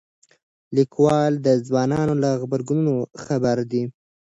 لیکوال د ځوانانو له غبرګونونو خبر دی.